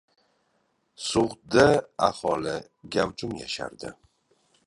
Sug‘dda aholi gavjum yashardi.